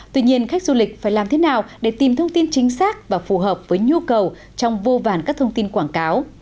tuy nhiên khách du lịch phải làm thế nào để tìm thông tin chính xác và phù hợp với nhu cầu trong vô vàn các thông tin quảng cáo